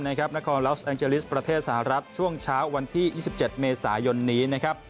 นครลัสแองเจลิสประเทศสหรัฐช่วงเช้าวันที่๒๗เมษายนนี้นะครับ